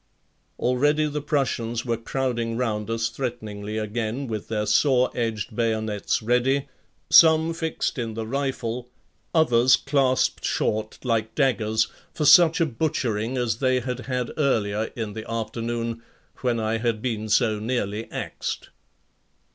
Already the Prussians were crowding round us threateningly again, with their saw edged bayonets ready, some fixed in the rifle, others clasped short, like daggers, for such a butchering as they had had earlier in the afternoon, when I had been so nearly axed.